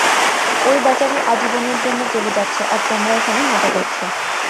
ঐ বেচারি আজীবনের জন্য জেলে যাচ্ছে আর তোমরা এখানে মজা করছ।